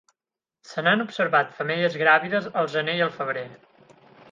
Se n'han observat femelles gràvides al gener i el febrer.